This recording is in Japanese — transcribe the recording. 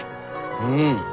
うん。